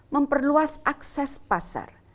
memperluas akses pasar